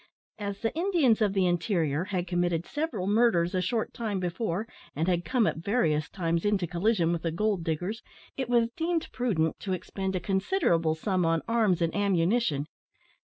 As the Indians of the interior had committed several murders a short time before, and had come at various times into collision with the gold diggers, it was deemed prudent to expend a considerable sum on arms and ammunition.